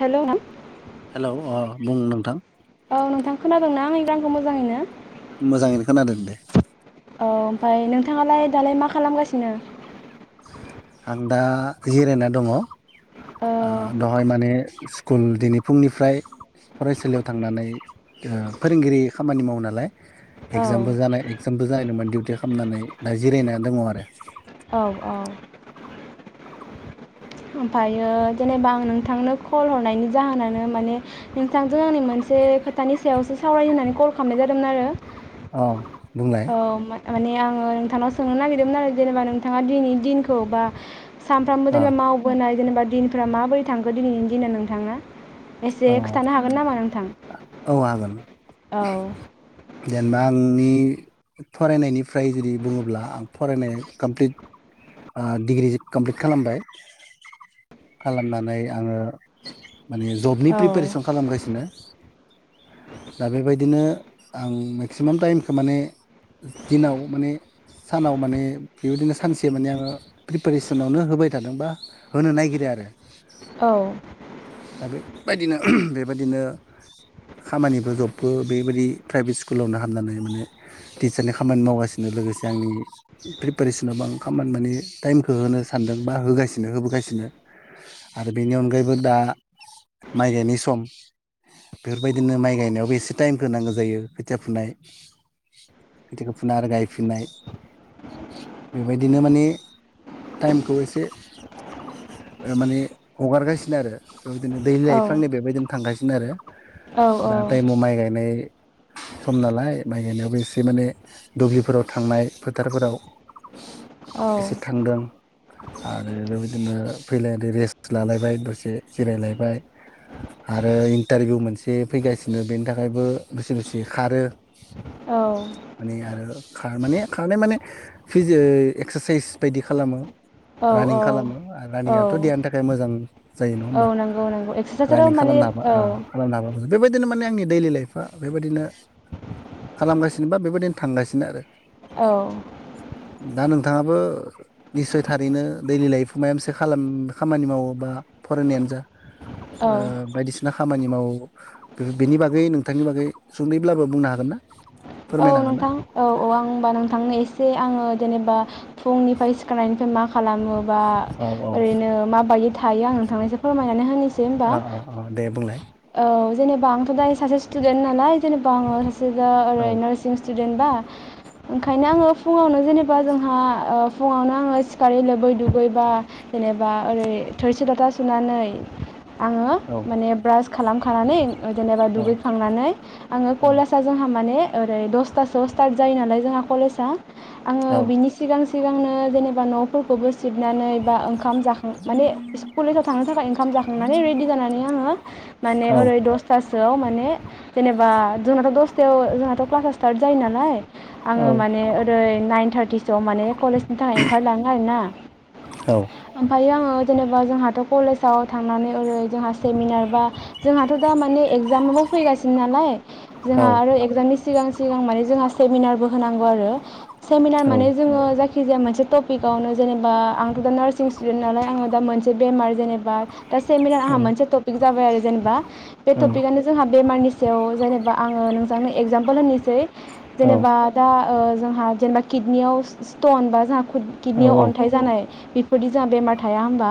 Hello hello अ बुं नोंथां औ नोंथां खोनादोंना आंनि रावखौ मोजांङैनो मोजांङैनो खोनादों दे औ ओमफाय नोंथाङालाय दालाय मा खालामगासिनो आं दा जिरायना दङ आ औ दहाय माने स्कुल दिनै फुंनिफ्राय फरायसालियाव थांनानै फोरोंगिरि खामानि मावो नालाय औ एक्जामबो जानाय एक्जामबो जानायदोंमोन डिउटि खालामनानै दा जिरायना दङ आरो औ औ ओमफ्रायो जेनेबा आं नोंथांनो कल हरनायनि जाहोनानो माने नोंथांजों आंनि मोनसे खोथानि सायावसो सावरायहोननानै कल खालामनाय जादोंमोन आरो अ बुंलाय औ म माने आङो नोंथांनाव सोंनो नागिरदोंमोन आरो जेनेबा नोंथाङा दिनै दिनखौ बा सानफ्रामबो अ जेनेबा मावबोनाय जेनेबा दिनफ्रा माबोरै थांखो दिनैनि दिनना नोंथाङा एसे अ खोथानो हागोन नामा नोंथां औ हागोन औ जेनेबा आंनि फरायनायनिफ्राय जुदि बुङोब्ला आं फरायनाय कमप्लिट ओ डिग्रि कमप्लिट खालामबाय खालामनानै आङो माने। औ प्रिपेरेसन खालामगासिनो। दा बेबायदिनो आं मेक्सिमाम टाइमखौ माने दिनाव माने सानाव माने बेबायदिनो सानसे माने आङो प्रिपेरेसनावनो होबाय थादों बा होनो नागिरो आरो। औ। दा बेबायदिनो बेबायदिनो, खामानिबो जबबो बेबायदि प्राइभेट स्कुलावनो हामनानै माने टिचारनि खामानि मावगासिनो लोगोसे आंनि प्रिपेरेसनावबो आं खामानि माने टाइमखौ होनो सानदों बा होगासिनो होबोगासिनो आरो बेनि अनगायैबो दा। माइ गायनाय सम बेफोरबायदिनो माइ गायनायावबो एसे टाइमखौ नांगौ जायो, ‌ खोथिया फुनाय खोथियाखौ फुना आरो गायफिनाय बेबायदिनो माने टाइमखौ एसे माने हगारगासिनो आरो। बेबायदिनो दै औ लाइफां औ नै बेबायदिनो थांगासै। बिनो आरो। औ दा औ ताइमाव माइ गायनाय सम नालाय। माइ गायनायावबो एसे माने दुबलिफोराव थांनाय फोथारफोराव। एसे थांदों। आरो बेबायदिनो फैलायदो रेस्ट लालायबाय दसे जिरायलायबाय आरो इन्टारभिउ मोनसे फैगासिनो बेनि थाखायबो दुसे दुसे खारो। माने आरो खार माने खारनाय माने फिजे एक्सारसाइस बायदि खालामो। औ रानिं औ खालामो औ रानिंआथ' देहानि थाखाय मोजां जायो नङा होमबा औ नंगौ नंगौ एक्सारसाइसाव रानिं माने खालामनो हाबा औ। ओ खालामनो हाबा बेबायदिनो माने आंनि दैलि लाइफआ बेबायदिनो खालामगासिनो बा बेबायदिनो थांगासिनो आरो। औ। दा नोंथाङाबो निस्यइ थारैनो दैलि लाइफ माबा मोनसे खामानि मावो बा फरायनायानो जा औ ओ बायदिसिना खामानि मावो बे-बेनि बागै नोंथांनि बागै सुंदैब्लाबो बुंनो हागोन ना? औ फोरमायनो हागोन ना नोंथां औ औ आं होमबा नोंथांनो एसे आङो जेनेबा फुंनिफ्राय सिखारनिफ्राय मा खालामो बा औ औ ओरेनो माबादि थायो आं नोंथांनो एसे फोरमायनानै होनिसै होमबा अ अ अ दे बुंलाय ओ जेने बा आंथ' दायो सासे स्टुदेन्ट नालाय जेनेबा आङो दा औ आरैनो स्टुदेन्टबा ओंखायनो आङो फुङावनो जेनेबा जोंहा ओ फुङावनो आङो सिखारि लोबै दुगैबा जेनेबा ओरै थोरसि लथा सुनानै आङो औ माने ब्रास खालामखानानै ओ जेनेबा औ दुगैखांनानै आङो कलेजाव जोंहा माने आरै दस थासोआव स्टार्ट जायो नालाय जोंहा कलेजा आङो औ बिनि सिगां सिगांनो जेनेबा न'फोरखौबो सिबनानै बा ओंखाम जाखां माने सि कलेजाव थांनो थाखाय ओंखाम जाखांनानै रेडि जानानै आङो माने ओरै दसथासो आव माने जेनेबा जोंनाथ' दसथायाव ओ जोंहाथ' क्लासा स्टार्ट जायो नालाय। आङो माने ओरै नाइन थार्टिसोआव माने कलेजनि थाखाय ओंखारलाङो आरोना औ ओमफ्राय आङो जेनेबा जोंहाथ' कलेजाव थांनानै ओरै जोंहा सेमिनार बा जोंहाथ' दा माने एगजामाबो फैगासिनो नालाय जोंहा आरो एगजामनि सिगां सि गां माने जोंहा सेमिनारबो होनांगौ आरो सेमिनार माने जोङो जाय खिजाया मोनसे टपिकआवनो जेनेबा आंथ' दा नार्सिं स्टुडेन्ट नालाय आङो दा मोनसे बेमार जेनेबा दा सेमिनार आंहा मोनसे टपिक जाबाय आरो जेनेबा बे औ टपिकआनो जोंहा बेमारनि सायाव जेनेबा आङो नोंथांनो एक्जामपोल होनि सै जेनेबा दा ओ जोंहा जेनेबा किडनियाव स्टन बा जोंहा औ किडनियाव अन्थाइ जानाय बेफोरदि जाहा बेमार थाया होनबा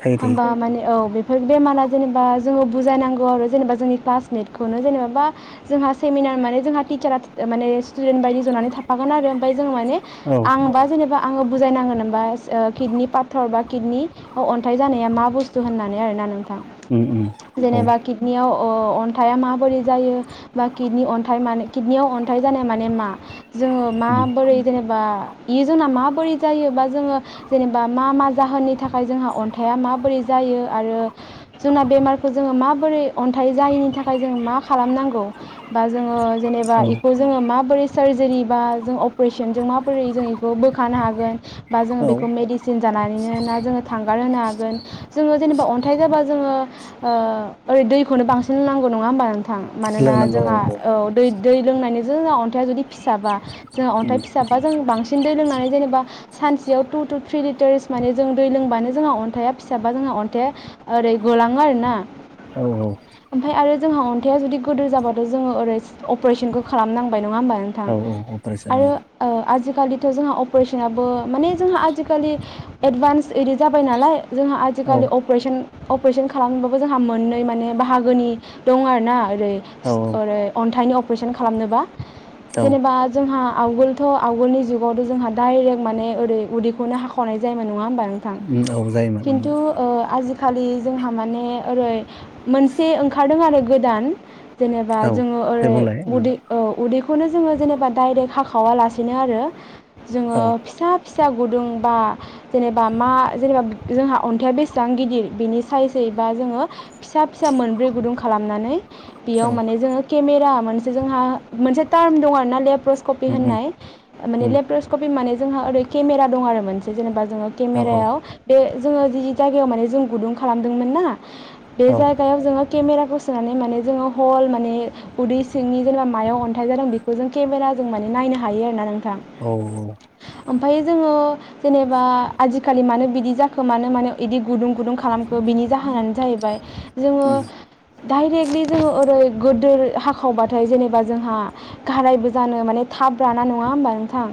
थायो थायो होनबा माने औ बे बेफोर बेमारा जेनेबा जोङो बुजायनांगौ आरो जेनेबा जोंनि क्लासमेटखौनो जेनेबाबा जोंहा सेमिनार माने जोंहा टिचारा माने स्टुदेन्ट बायदि जनानै थाफागोन आरो ओमफ्राय जों माने औ आं बा जेनेबा आङो बुजायनाङो होनबा सि ओ किडनि पाथर बा किडनि अन्थाइ जानाया मा बुस्थु होननानै आरोना नों थां उम उम औ जेनेबा किडनियाव अ अन्थाइया माबोरै जायो बा किडनि अन्थाइ माने किडनियाव अन्थाइ जानाय माने मा जोङो औ माबोरै जेनेबा इयो जोंना माबोरै जायोबा जोङो जेनेबा मा मा जाहोननि थाखाय जोंहा अन्थाइया माबोरै जायो आरो जोंना बेमारखौ जोङो माबोरै अन्थाइ जायिनि थाखाय जों मा खालामनांगौ बा जोङो जेनेबा इखौ जोङो माबोरै सार्जारि बा जों अपारेसनजों माबोरै जों इखौ बोखानो हागोन बा जों औ बेखौ मेदिसिन जानानै नैनो ना जोङो थांगार होनो हागोन जोङो जेनेबा अन्थाइ जाबा जोङो ओ ओरै दैखौनो बांसिन नांगौ नङा होमबा नों थां मानोना जोंहा औ दै लोंनायनिजों जोंहा अन्थाइया जुदि फिसाबा जोङो अन्थाइ फिसाबा जों बांसिन दै लोंनानै जेनेबा सानसेयाव थु थु थ्रि लिटार्स माने जों दै लोंबानो जोंहा अन्थाया फिसाबा जोंहा अन्थाइया ओरै गलाङो आरोना औ औ ओमफाय आरो जोंहा अन्थाइया जुदि गोदोर जाबाथ' जोङो ओरै अपारेसनखौ खालामनांबाय नङा होनबा औ नोंथां औ अपारेसन औ आरो ओ आजि खालि थ' जोंहा अपारेसनाबो माने जोंहा आजि खालि एदभान्स इदि जाबाय नालाय जोंहा आजि औ खालि अप्रेसन अपारेसन खालामबाबो जोंहा मोननै माने बाहागोनि दं आरो ना ओरै औ सि ओरै अन्थाइनि अपारेसन खालामनोबा औ जेनेबा जोंहा आवगोलथ' आवगोलनि जुगावथ' जोंहा डाइरेक्ट माने ओरै उदैखौनो हाखावनाय जायोन नङा होनोमबा नों थां जायोमोन खिनथु ओ खालि जोंहा माने ओरै मोनसे ओंखारदों आरो गोदान जेने औ जोङो दे ओरै बुंलाय औ उदै ओ उदै खौनो जोङो जेनेबा डाइरेक्ट हाखावालासिनो आरो जोङो औ फिसा फिसा गुदुं बा जेनेबा मा जेनेबा जोंहा अन्थाइया बेसेबां गिदिर बिनि साइजै बा जोङो फिसा फिसा मोनब्रै गुदुं खालाम नानै औ बेयाव माने जोङो जाहा मोनसे जोहा ट्राम्प दंआरोना लेब लेपरसखफि होनाय लेप्रसखफि माने जोंहा ओरै केमेरा दं आरो मोनसे जेनेबा जोङो औ केमेरायाव बे जोङो जि जायगायाव माने जों गुदुं खालामदोंमोन ना बे जायगायाव जोंङो केमेराखौ सोनानै माने जोङो हल माने उदै सिंनि जेनेबा मायाव अन्थाइ जादों बेखौ जों केमेरााजों माने नायनो हायो आरोोना नों औ ओमफाय जोङो जेनेबा आजि खालि मानो बिदि जाखो मानो माने बिदि गुदुं गुदुं खालामखो बिनि जाहोनानो जाहैबाय जोङो डाइरेक्टलि जोङो ओरै गोदोर हाखावबाथाय जेनेबा जोंहा गारायबो जानो माने थाब राना नङा होमबा नोंथां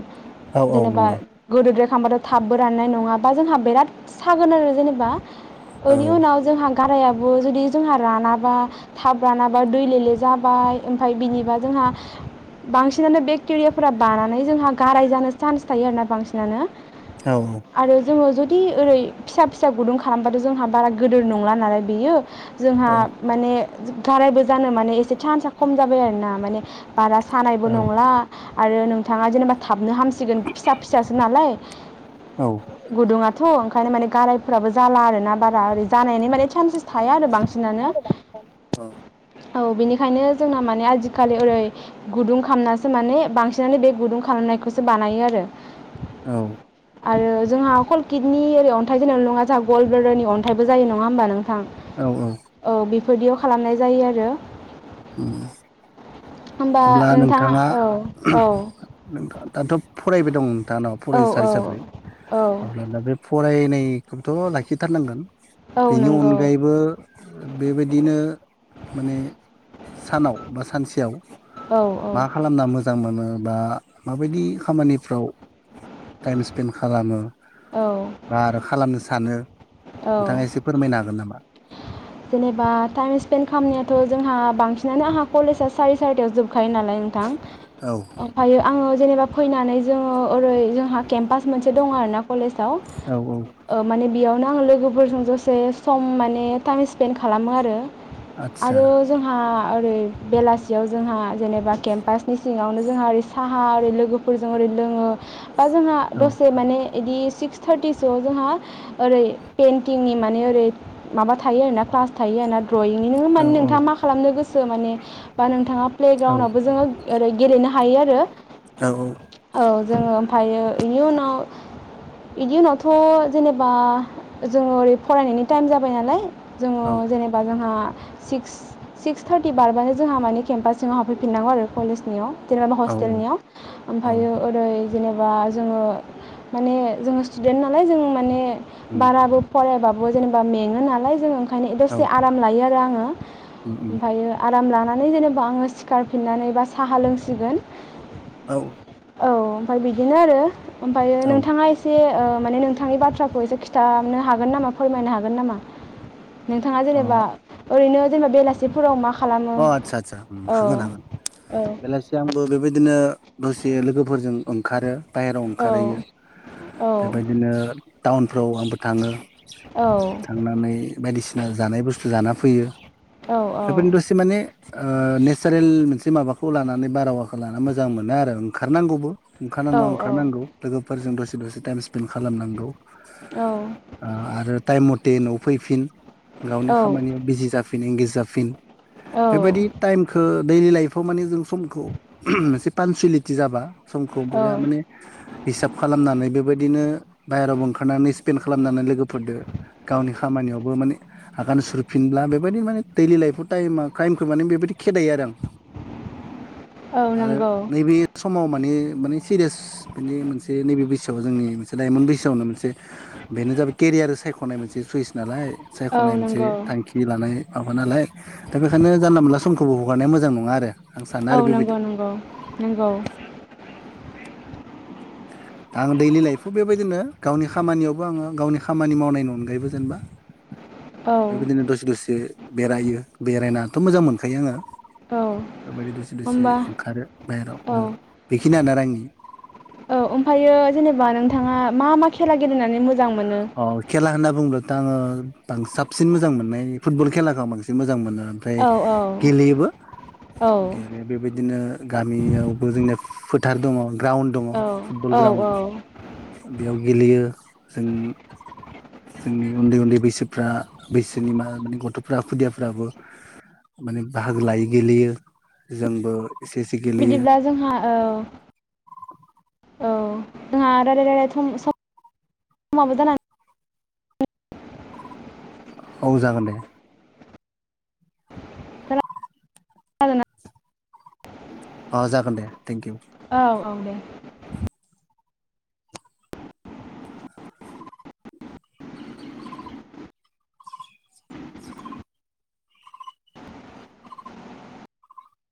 औ जेनेबा नंगौ गुरुद्रेब खांबाथ' थाबबो राननाय नङाबा जोंहा बिराद सागोन आरो जेनेबा औ बेनि उनाव जोंहा गारायाबो जुदि जोंहा राना बा थाब रानाबा दैले ले जाबा बाय ओमफ्राय बिनिबा जोंहा बांसिनानो बेक्टेरियाफोरा बानानै जोंहा गाराय जानो चान्स थायो आरोना बांसिनानो औ आरो जोंयो जुदि बिदि ओरै फिसा फिसा गुदुं खालामबाथ' जोंहा बारा गिदोर नंला नालाय बेयो जोंहा माने गारायबो जानो माने एसे सान्स खम जाबाय आरो ना माने बारा औ सानायबो नंला आरो नोंथाङा जेनेबा था हाबनो हामसिगोन फिसा फिसासो नालाय गुदुङा थ' ओंखायनो माने गारायफ्राबो जाला आरो ना बारा ओरै जानायनि माने सान्सेस थाया आरो बांसिनानो औ बिनि ओखायनो जोंना माने आजिखालि ओरै गुदुं खालामनासो माने बांसिनानो बे गुदुं खामनायखौसो बानायो आरो औ आरो जोंहा अकल किडनि ओरै अन्थाइ जों नङा जों गल्ड ब्लाडारनि अन्थाइबो जायो नङा होमबा नों आ औ भिडिव खालामनाय जायो आरो उम होमबा अब्ला नोंथाङा औ औ नोंथ दाथ' फरायबाय दं नोंथांङा औ फरायसा हिसाबै औ अब्ला दा बे फरायनाय एखौथ' लाखिथारनांगोन औ बेनि नंगौ अनगायैबो बेबायदिनो माने सानाव बा सानसेयाव औ मा खालामना मोजां मोनो बा माबायदि खामानिफ्राव टाइम स्पेन्ड खालामो औ बा आरो खालामनो सानो औ नोंथाङा एसे फोरमायनो हागोन नामा जेनेबा टाइम स्पेन्ड खामनायाथ' जोंहा बांसिनानो आंहा कलेजआ सारि सारिथायाव जोबखायो नालाय नोंथां औ ओमफायो आङो जेनेबा फैनानै जोङो ओरै जोंहा केम्पास मोनसे दं आरो ना कलेज आव औ ओ माने बियाव ना आङो लोगोफोरजों दसे सम माने टाइम स्पेन्ड खालामो आरो औ आदसा आरो जोंहा ओरै बेलासियाव जोंहा जेनेबा केम्पासनि सिङावनो जोंहा ओरै साहा ओरै लोगोफोरजों ओरै लोङो आ बा जोंहा औ दसे माने बिदि सिक्स थार्टिसोआव जोंहा ओरै केइन्टिंनि माने ओरै माबा था थायो आरो ना क्लास थायो ना इनो औ र'माने औ नोंथाङा मा खालामनो गोसो ओ माने बा नोंथाङा प्ले औ ग्राउन्डावबो जोङो ओरै गेलेनो हायो आरो। औ जोङो ओमफ्रायो बेनि उनाव बेनि उनावथ' जेनेबा जोङो ओरै फरायनायनि टाइम जाबाय नालाय जोङो औ जेनेबा जोंहा सिक्स सिक्स थार्टि बारबानो जोंहा माने केम्पासजों हाबफैफिननांगौ आरो कलेजनियाव। जेनेबा हस्टेलनिया औ औ ओमफ्रायो ओरै जेनेबा जोङो माने जोङो स्टुदेन्ट नालाय जों माने उम बाराबो फरायबाबो जेनेबा मेङो नालाय [unintelligible] ओंखायनो औ दसे आराम लायो आरो आङो ना उम उम ओमफ्रायो आरो आराम लानानै जेनेबा आङो सिखारफिननानै बा साहा लोंसिगोन। औ। औ ओमफ्राय बिदिनो आरो ओमफ्रायो नोंथाङा एसे ओ माने नोंथाङा बाथ्राखौ एसे खिन्थानो हागोन नामा फोरमायनो हागोन नामा? नोंथाङा जेनेबा अ ओरैनो जेनबा बेलासिफोराव मा खालामो अ आतसा आतसा हागोन औ हागोन औ बेलासिया आंखौ बेबायदि बिदिनो दसे लोगोफोरजों ओंखारो बाहेरायाव औ ओंखारहैयो औ बेबायदिनो टाउनफ्राव आंबो थाङो औ थांनानै बायदिसिना जानाय बुस थु जाना फैयो। औ औ बेफोरनो दसे ओ माने नेचारेल मोनसे माबाखौ लानानै बारहावाखौ लाना मोजां मोनो आरो ओंखारनांगौबो। ओंखारना नङा ओंखारनांगौ लोगोफोरजों दसे दसे टाइम स्पेन्ड खालामनांगौ ओ आरो टाइम म थे न'आव फैफिन। गावनि खामानियाव बिजि जा इनिंगिज जाफिन। बेबायदि टाइमखौ दैलि लाइफआव माने जों समखौ मोनसे पानसुयेलिटि जाबा समखौ औ बरिया माने हिसाब खालामनानै बेबायदिनो बाहेरावबो ओंखारनानै स्पेन्ड खालामनानै लोगोफोरदो गावनि खामानियावबो माने आगान सुरफिनब्ला बे बायदि माने दैइलि लाइफआव टाइमा क्राइमखौ माने बेबायदि खेदायो आरो आं औ आरो नंगौ नैबे समाव माने माने सिरियास बिनि मोनसे नैबे बैसोआव जोंनि मोनसे लाइमोन बैसोआवनो मोनसे बेनो जाबाय केरियार सायख'नाय मोनसे सुइस नालाय। औ सायख'नाय मोनसे नंगौ थांखि लानाय माबा नालाय दा बेखायनो जानला मोनला समखौ हगारनाया मोजां नङा आरो। आं सानो औ आरो बेबायदि नंगौ नंगौ नंगौ दा आं दैलि लाइफआव बेबायदिनो गावनि खामानियावबो आङो गावनि खामानि मावनायनि अनगायैबो जेनेबा औ बेबायदिनो दसे दसे बेरायो बेरायनाथ' मोजां मोनखायो आङो औ बेबायदि दसे दसे होमबा ओंखारो बाहेरायाव औ बेखिनियानो आरो आंनि। थाङा मा मा खेला गेलेनानै मो अ खेला होनना बुंङोब्लाथ' आङो बां साबसिन मोजां मोननाय फुटबल खेलाखौ आं बांसिन मोजां मोनो। ओमफ्राय औ औ गेलेयोबो औ गेलेयो बेबायदिनो गामियावबो जोंनिया फोथ थार दङ। ग्राउण्ड दङ औ फुटबल औ औ ग्राउण्ड बेयाव गेलेयो जों जोंनि उन्दै उन्दै बैसोफ्रा बैसोनि मा गथ'फ्रा खुदियाफ्राबो माने बाहागो लायो गेलेयो जोंबो एसे एसे गेलेयो बिदिब्ला जोंहा ओ औ जोंहा रायलाय रायलाय [unintelligible] समाबो जाना [unintelligible] औ जागोन दे। [unintelligible] अ जागोन दे थेंकिउ। औ औ दे।